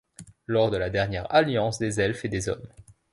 Lors de la Dernière Alliance des Elfes et des Hommes.